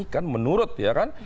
kan menurut ya kan